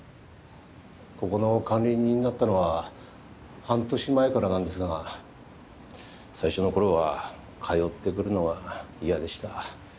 ここの管理人になったのは半年前からなんですが最初の頃は通ってくるのが嫌でした。